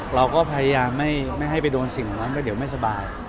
เราก็พยายามไม่ให้ไปโดนสิ่งนั้นก็เดี๋ยวไม่สบาย